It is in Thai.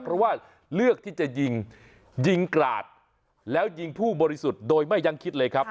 เพราะว่าเลือกที่จะยิงยิงกราดแล้วยิงผู้บริสุทธิ์โดยไม่ยังคิดเลยครับ